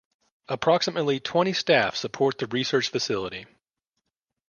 Approximately twenty staff support the research facility.